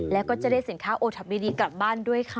แล้วก็จะได้สินค้าโอท็อปดีกลับบ้านด้วยค่ะ